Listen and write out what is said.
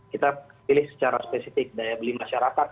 kita pilih secara spesifik daya beli masyarakat